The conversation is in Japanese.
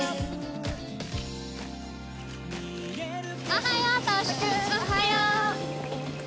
おはよう。